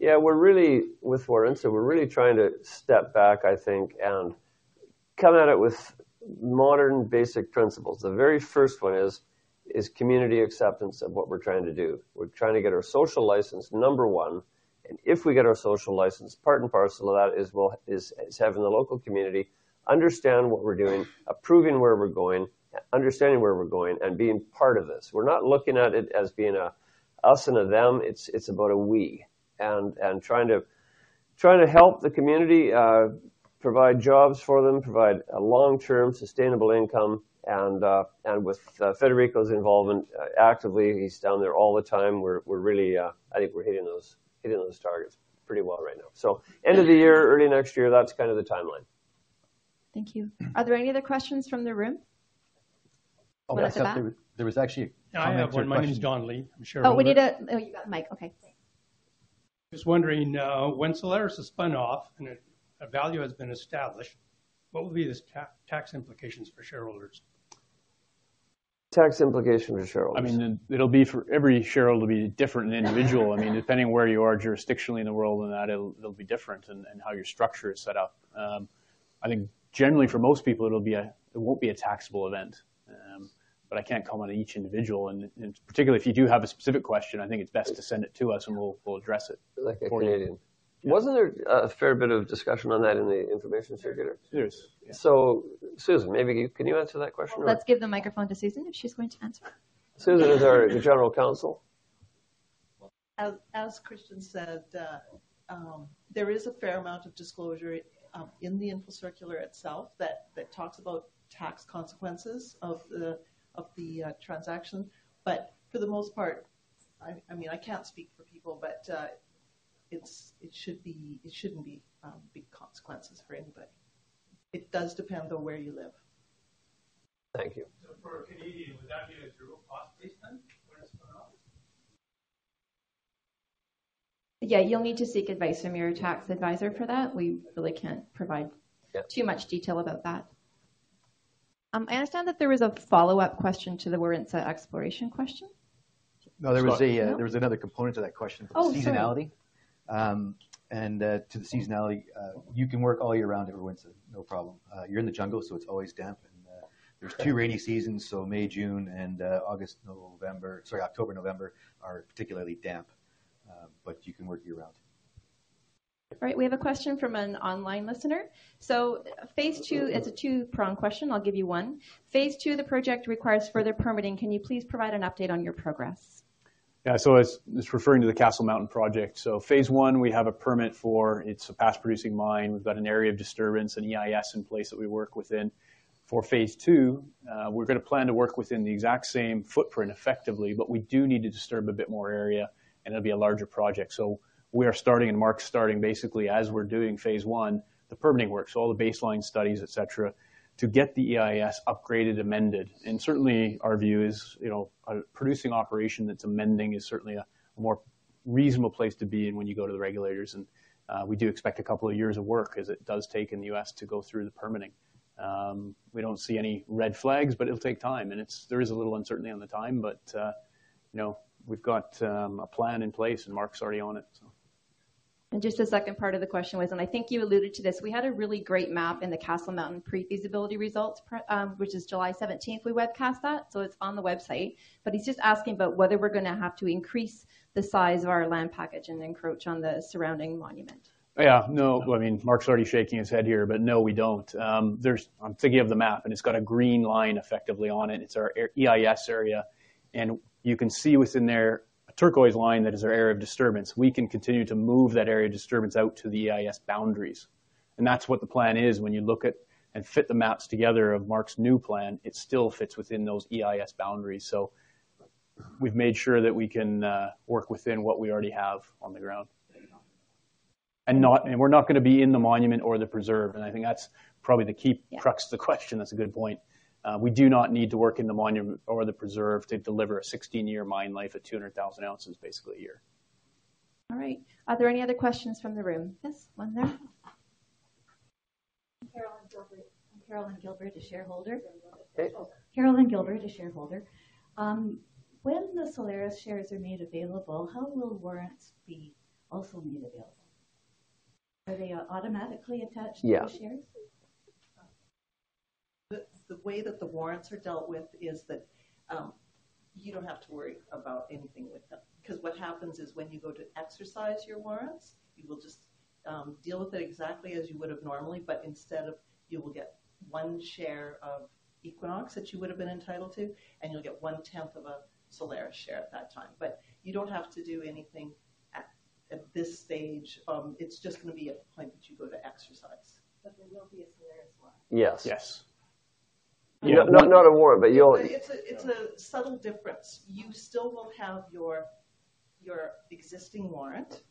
With Warintza, we're really trying to step back, I think, and come at it with modern, basic principles. The very first one is community acceptance of what we're trying to do. We're trying to get our social license, number 1, and if we get our social license, part and parcel of that is having the local community understand what we're doing, approving where we're going, understanding where we're going, and being part of this. We're not looking at it as being a us and a them. It's about a we, and trying to help the community, provide jobs for them, provide a long-term sustainable income. With Federico's involvement actively, he's down there all the time. I think we're hitting those targets pretty well right now. End of the year, early next year, that's the timeline. Thank you. Are there any other questions from the room? I thought there was actually a comment or question. Yeah, I have one. My name is Don Lee. I'm a shareholder. Oh, you got the mic. Okay, great. Just wondering, when Solaris is spun off and a value has been established, what will be the tax implications for shareholders? Tax implication for shareholders. For every shareholder, it'll be different and individual. Depending where you are jurisdictionally in the world and that, it'll be different and how your structure is set up. I think generally for most people, it won't be a taxable event. I can't comment on each individual. Particularly, if you do have a specific question, I think it's best to send it to us and we'll address it for you. Like a Canadian. Yeah. Wasn't there a fair bit of discussion on that in the information circular? There is, yeah. Susan, maybe can you answer that question? Let's give the microphone to Susan if she's going to answer. Susan is our General Counsel. As Christian said, there is a fair amount of disclosure in the info circular itself that talks about tax consequences of the transaction. For the most part, I can't speak for people, but it shouldn't be big consequences for anybody. It does depend on where you live. Thank you. For a Canadian, would that be a zero cost base then when it's spun off? Yeah, you'll need to seek advice from your tax advisor for that. We really can't provide too much detail about that. I understand that there was a follow-up question to the Warintza exploration question. No, there was another component to that question for seasonality. Oh, sorry. To the seasonality, you can work all year round at Warintza, no problem. You're in the jungle, so it's always damp, and there are two rainy seasons, May, June, and October, November are particularly damp. You can work year-round. All right. We have a question from an online listener. It's a two-pronged question. I'll give you one. Phase 2 of the project requires further permitting. Can you please provide an update on your progress? It's referring to the Castle Mountain project. Phase 1, we have a permit for, it's a past-producing mine. We've got an area of disturbance, an EIS in place that we work within. For phase 2, we're going to plan to work within the exact same footprint effectively, but we do need to disturb a bit more area, and it'll be a larger project. We are starting, and Marc's starting basically as we're doing phase 1, the permitting work, all the baseline studies, et cetera, to get the EIS upgraded, amended. Certainly, our view is, a producing operation that's amending is certainly a more reasonable place to be in when you go to the regulators, and we do expect a couple of years of work as it does take in the U.S. to go through the permitting. We don't see any red flags, it'll take time, there is a little uncertainty on the time. We've got a plan in place and Marc's already on it. Just the second part of the question was, I think you alluded to this, we had a really great map in the Castle Mountain pre-feasibility results, which is July 17th. We webcast that, it's on the website. He's just asking about whether we're going to have to increase the size of our land package and encroach on the surrounding monument. No. Marc's already shaking his head here, no, we don't. I'm thinking of the map, it's got a green line effectively on it. It's our EIS area. You can see within there a turquoise line that is our area of disturbance. We can continue to move that area of disturbance out to the EIS boundaries, that's what the plan is. When you look at and fit the maps together of Marc's new plan, it still fits within those EIS boundaries. We've made sure that we can work within what we already have on the ground. We're not going to be in the monument or the preserve, I think that's probably the key crux of the question. That's a good point. We do not need to work in the monument or the preserve to deliver a 16-year mine life at 200,000 ounces basically a year. All right. Are there any other questions from the room? Yes, one there. I'm Carolyn Gilbert, a shareholder. Okay. Carolyn Gilbert, a shareholder. When the Solaris shares are made available, how will warrants be also made available? Are they automatically attached to the shares? Yeah. The way that the warrants are dealt with is that you don't have to worry about anything with them. Because what happens is when you go to exercise your warrants, you will just deal with it exactly as you would've normally, but instead, you will get one share of Equinox that you would've been entitled to, and you'll get one-tenth of a Solaris share at that time. You don't have to do anything at this stage. It's just going to be at the point that you go to exercise. There will be a Solaris warrant. Yes. Yes. Not a warrant. It's a subtle difference. You still will have your existing warrant.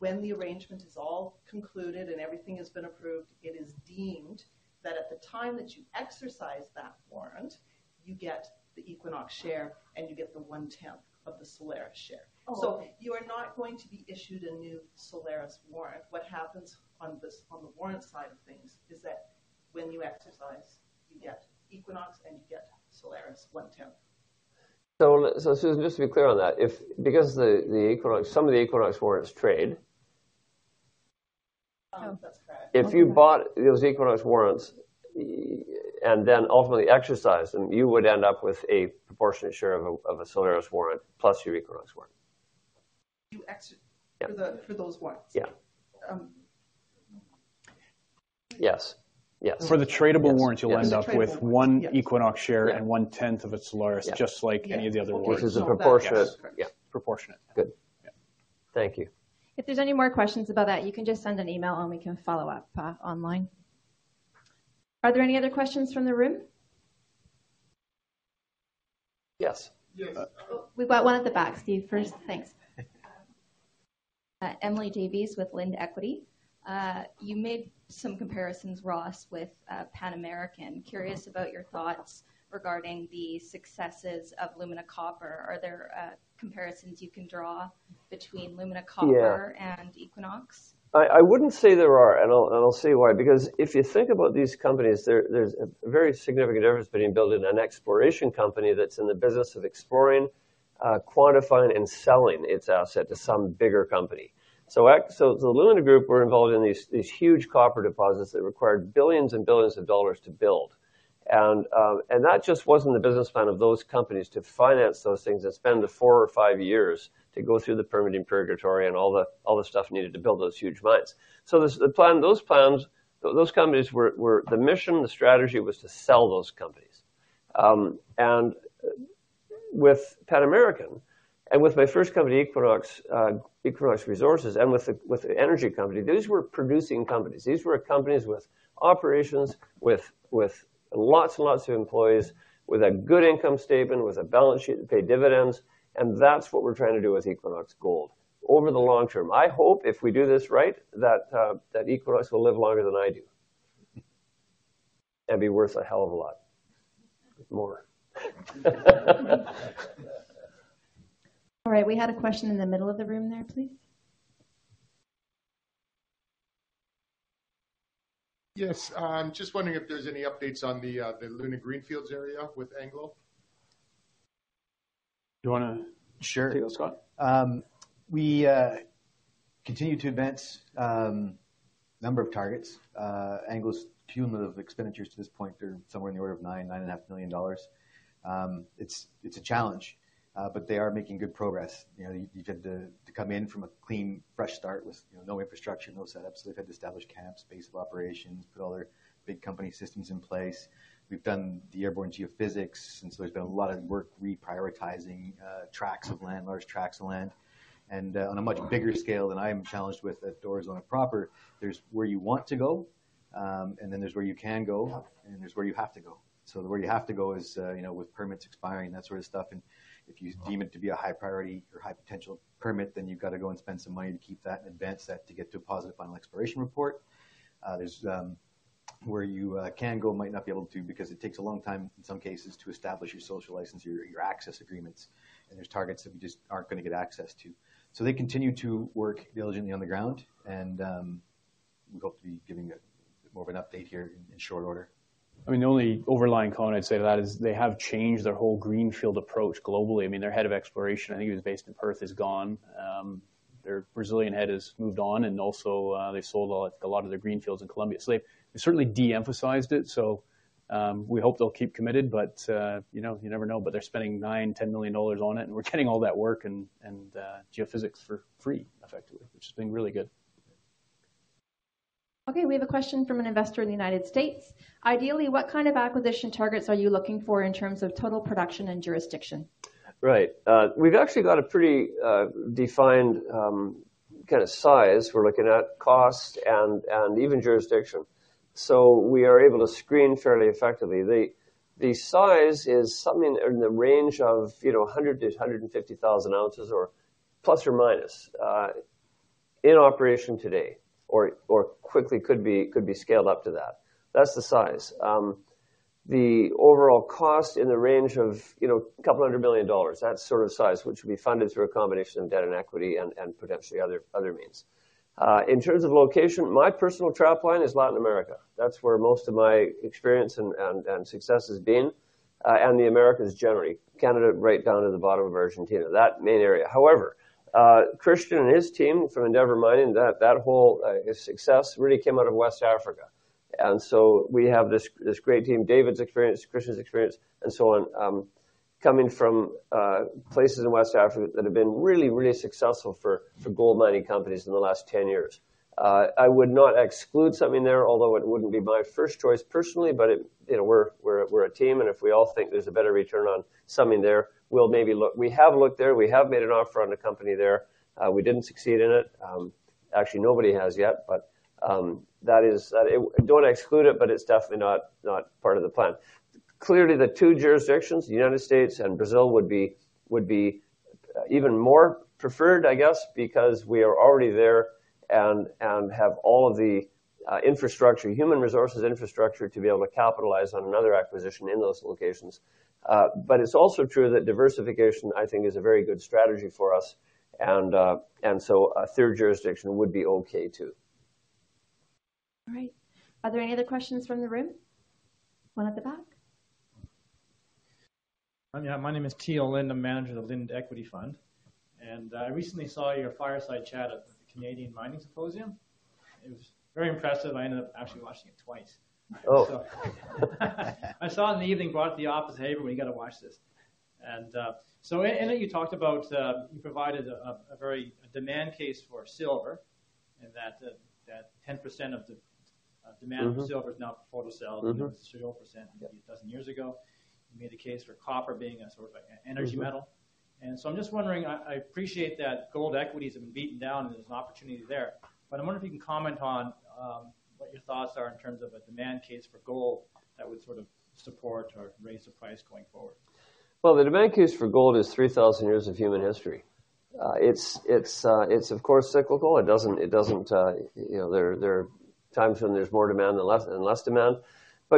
When the arrangement is all concluded and everything has been approved, it is deemed that at the time that you exercise that warrant, you get the Equinox share and you get the one-tenth of the Solaris share. Oh, okay. You are not going to be issued a new Solaris warrant. What happens on the warrant side of things is that when you exercise, you get Equinox and you get Solaris one-tenth. Susan, just to be clear on that, because some of the Equinox warrants trade That's correct. If you bought those Equinox warrants and then ultimately exercised them, you would end up with a proportionate share of a Solaris warrant plus your Equinox warrant. For those warrants. Yeah. Yes. For the tradable warrants, you'll end up with one Equinox share and one-tenth of a Solaris, just like any of the other warrants. Which is a proportionate. Yes. Proportionate. Good. Yeah. Thank you. If there's any more questions about that, you can just send an email and we can follow up online. Are there any other questions from the room? Yes. Yes. We've got one at the back, Steve. First. Thanks. Emily Davies with Linde Equity. You made some comparisons, Ross, with Pan American. Curious about your thoughts regarding the successes of Lumina Copper. Are there comparisons you can draw between Lumina Copper and Equinox? I wouldn't say there are, and I'll say why. If you think about these companies, there's a very significant difference between building an exploration company that's in the business of exploring, quantifying and selling its asset to some bigger company. The Lumina Group were involved in these huge copper deposits that required billions and billions of USD to build. That just wasn't the business plan of those companies to finance those things and spend the four or five years to go through the permitting purgatory and all the stuff needed to build those huge mines. Those companies, the mission, the strategy was to sell those companies. With Pan American and with my first company, Equinox Resources, and with the energy company, these were producing companies. These were companies with operations, with lots and lots of employees, with a good income statement, with a balance sheet that paid dividends. That's what we're trying to do with Equinox Gold. Over the long term, I hope if we do this right, that Equinox will live longer than I do and be worth a hell of a lot more. All right. We had a question in the middle of the room there, please. Yes. Just wondering if there's any updates on the Lumina greenfields area with Anglo. Do you want to share? Sure thing, Scott. We continue to advance number of targets. Anglo's cumulative expenditures to this point are somewhere in the order of nine and a half million dollars. It's a challenge, but they are making good progress. They've had to come in from a clean, fresh start with no infrastructure, no setups. They've had to establish camps, base of operations, put all their big company systems in place. We've done the airborne geophysics. There's been a lot of work reprioritizing large tracts of land. On a much bigger scale than I am challenged with at Aurizona proper, there's where you want to go, then there's where you can go, and there's where you have to go. Where you have to go is, with permits expiring, that sort of stuff. If you deem it to be a high priority or high potential permit, then you've got to go and spend some money to keep that and advance that to get to a positive final exploration report. There's where you can go, might not be able to because it takes a long time, in some cases, to establish your social license, your access agreements. There's targets that we just aren't going to get access to. They continue to work diligently on the ground. We hope to be giving a bit more of an update here in short order. The only overlying comment I'd say to that is they have changed their whole greenfield approach globally. Their head of exploration, I think he was based in Perth, is gone. Their Brazilian head has moved on. Also, they've sold a lot of their greenfields in Colombia. They've certainly de-emphasized it. We hope they'll keep committed, but you never know. They're spending $9 million, $10 million on it. We're getting all that work and geophysics for free effectively, which has been really good. Okay. We have a question from an investor in the U.S. Ideally, what kind of acquisition targets are you looking for in terms of total production and jurisdiction? Right. We've actually got a pretty defined kind of size. We're looking at cost and even jurisdiction. We are able to screen fairly effectively. The size is something in the range of 100 to 150,000 ounces or plus or minus, in operation today or quickly could be scaled up to that. That's the size. The overall cost in the range of a couple of hundred million dollars. That sort of size, which would be funded through a combination of debt and equity and potentially other means. In terms of location, my personal trap line is Latin America. That's where most of my experience and success has been, and the Americas generally, Canada right down to the bottom of Argentina, that main area. However, Christian and his team from Endeavour Mining, that whole success really came out of West Africa. We have this great team, David's experience, Christian's experience, and so on, coming from places in West Africa that have been really, really successful for gold mining companies in the last 10 years. I would not exclude something there, although it wouldn't be my first choice personally. We're a team, and if we all think there's a better return on something there, we'll maybe look. We have looked there. We have made an offer on a company there. We didn't succeed in it. Actually, nobody has yet. I don't exclude it, but it's definitely not part of the plan. Clearly, the two jurisdictions, the United States and Brazil, would be even more preferred, I guess, because we are already there and have all of the human resources, infrastructure to be able to capitalize on another acquisition in those locations. It's also true that diversification, I think, is a very good strategy for us, a third jurisdiction would be okay, too. All right. Are there any other questions from the room? One at the back. Yeah. My name is Teal Linde. I'm manager of Linde Equity Fund. I recently saw your fireside chat at the Canadian Mining Symposium. It was very impressive. I ended up actually watching it twice. Oh. I saw it in the evening, brought it to the office, "Hey, everybody, you got to watch this." In it, you provided a demand case for silver and that 10% of the demand- for silver is now for photocells- it was 0% maybe a dozen years ago. You made the case for copper being a sort of an energy metal. I'm just wondering, I appreciate that gold equities have been beaten down and there's an opportunity there, but I wonder if you can comment on what your thoughts are in terms of a demand case for gold that would sort of support or raise the price going forward. Well, the demand case for gold is 3,000 years of human history. It's, of course, cyclical. There are times when there's more demand and less demand.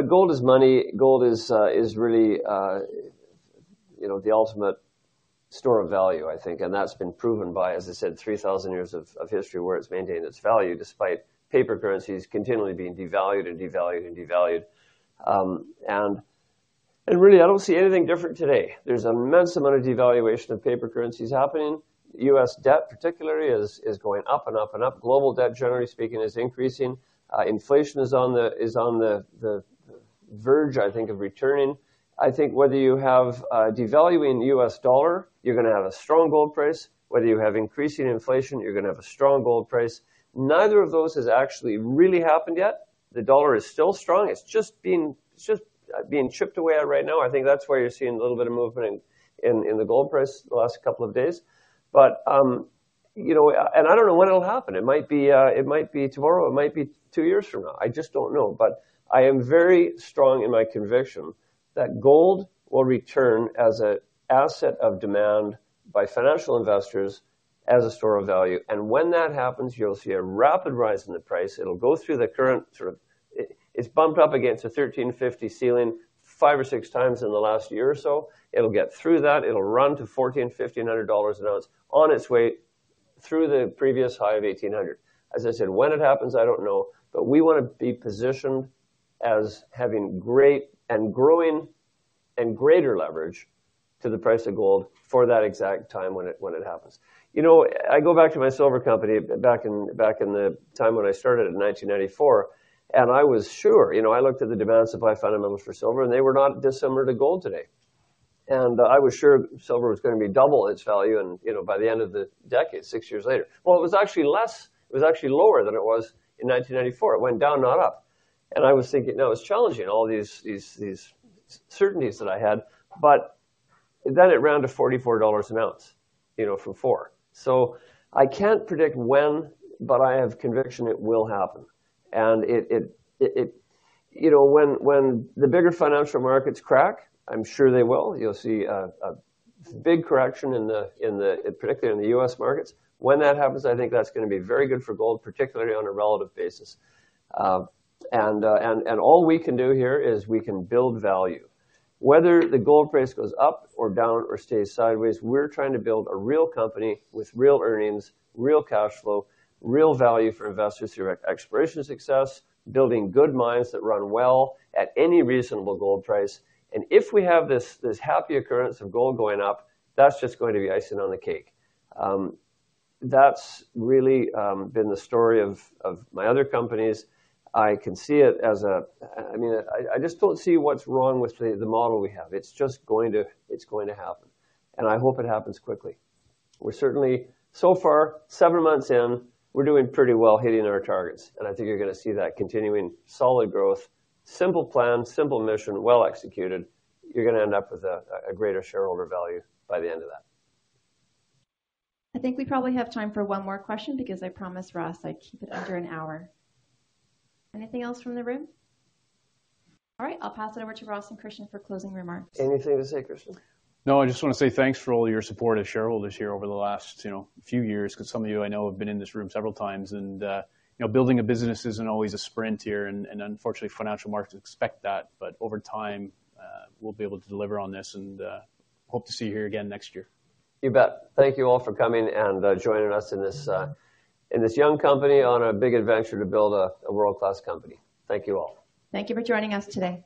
Gold is money. Gold is really the ultimate store of value, I think. That's been proven by, as I said, 3,000 years of history where it's maintained its value despite paper currencies continually being devalued and devalued and devalued. Really, I don't see anything different today. There's an immense amount of devaluation of paper currencies happening. U.S. debt particularly is going up and up and up. Global debt, generally speaking, is increasing. Inflation is on the verge, I think, of returning. I think whether you have a devaluing U.S. dollar, you're going to have a strong gold price. Whether you have increasing inflation, you're going to have a strong gold price. Neither of those has actually really happened yet. The dollar is still strong. It's just being chipped away at right now. I think that's why you're seeing a little bit of movement in the gold price the last couple of days. I don't know when it'll happen. It might be tomorrow, it might be two years from now. I just don't know. I am very strong in my conviction that gold will return as an asset of demand by financial investors as a store of value. When that happens, you'll see a rapid rise in the price. It's bumped up against a 1,350 ceiling five or six times in the last year or so. It'll get through that. It'll run to $1,400, $1,500 an ounce on its way through the previous high of 1,800. As I said, when it happens, I don't know, but we want to be positioned as having great and growing and greater leverage to the price of gold for that exact time when it happens. I go back to my silver company, back in the time when I started in 1994, I was sure. I looked at the demand supply fundamentals for silver, they were not dissimilar to gold today. I was sure silver was going to be double its value by the end of the decade, six years later. Well, it was actually lower than it was in 1994. It went down, not up. I was thinking, it's challenging, all these certainties that I had. Then it rounded to $44 an ounce from four. I can't predict when, but I have conviction it will happen. When the bigger financial markets crack, I'm sure they will, you'll see a big correction, particularly in the U.S. markets. When that happens, I think that's going to be very good for gold, particularly on a relative basis. All we can do here is we can build value. Whether the gold price goes up or down or stays sideways, we're trying to build a real company with real earnings, real cash flow, real value for investors through exploration success, building good mines that run well at any reasonable gold price. If we have this happy occurrence of gold going up, that's just going to be icing on the cake. That's really been the story of my other companies. I just don't see what's wrong with the model we have. It's going to happen, and I hope it happens quickly. Far, seven months in, we're doing pretty well hitting our targets, I think you're going to see that continuing solid growth. Simple plan, simple mission, well executed. You're going to end up with a greater shareholder value by the end of that. I think we probably have time for one more question because I promised Ross I'd keep it under an hour. Anything else from the room? All right. I'll pass it over to Ross and Christian for closing remarks. Anything to say, Christian? I just want to say thanks for all your support as shareholders here over the last few years, because some of you I know have been in this room several times. Building a business isn't always a sprint here, and unfortunately, financial markets expect that. Over time, we'll be able to deliver on this, and hope to see you here again next year. You bet. Thank you all for coming and joining us in this young company on a big adventure to build a world-class company. Thank you all. Thank you for joining us today.